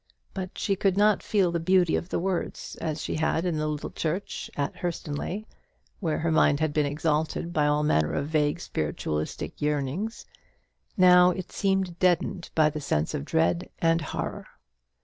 But she could not feel the beauty of the words as she had in the little church at Hurstonleigh, when her mind had been exalted by all manner of vague spiritualistic yearnings; now it seemed deadened by the sense of dread and horror.